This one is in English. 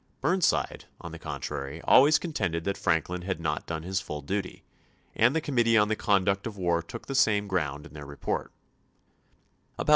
Burnside, on the contrary, always contended that Franklin had not done his full duty, and the Committee on the Conduct of the War took the same ground in then* report/ Ibid., p.